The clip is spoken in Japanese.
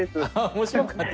面白かった？